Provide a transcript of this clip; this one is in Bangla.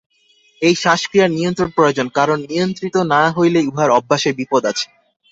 এই শ্বাস-ক্রিয়ার নিয়ন্ত্রণ প্রয়োজন, কারণ নিয়ন্ত্রিত না হইলে উহার অভ্যাসে বিপদ আছে।